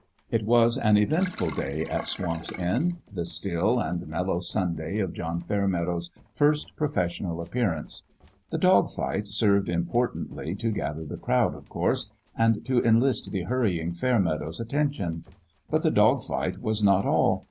It was an eventful day at Swamp's End the still and mellow Sunday of John Fairmeadow's first professional appearance. The dog fight served importantly to gather the crowd, of course, and to enlist the hurrying Fairmeadow's attention ; but the dog fight was not all.